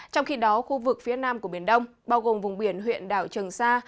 trong khi đó khu vực phía nam của biển đông bao gồm vùng biển huyện đảo trường sa